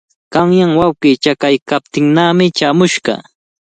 Qanyan wawqii chakaykaptinnami chaamushqa.